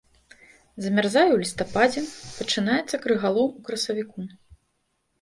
Замярзае ў лістападзе, пачынаецца крыгалом у красавіку.